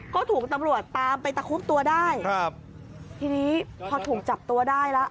ก็ถูกตำรวจตามไปตะคุบตัวได้ครับทีนี้พอถูกจับตัวได้แล้ว